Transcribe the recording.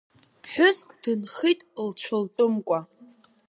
Ԥҳәыск дынхит лцәалтәымкәа.